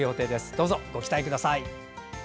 どうぞ、ご期待ください。